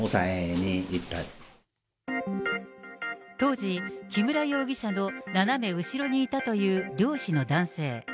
当時、木村容疑者の斜め後ろにいたという漁師の男性。